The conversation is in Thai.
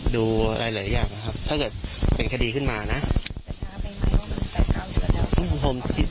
ดูหลายหลายอย่างนะครับถ้าเกิดเป็นคดีขึ้นมานะจะช้าไปไหม